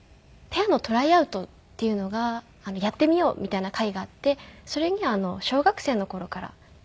ペアのトライアウトっていうのがやってみようみたいな会があってそれに小学生の頃から行っていて。